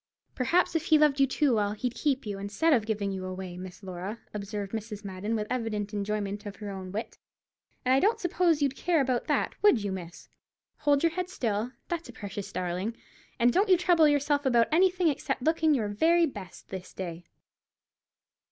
"Perhaps, if he loved you too well, he'd keep you, instead of giving you away, Miss Laura," observed Mrs. Madden, with evident enjoyment of her own wit; "and I don't suppose you'd care about that, would you, miss? Hold your head still, that's a precious darling, and don't you trouble yourself about anything except looking your very best this day."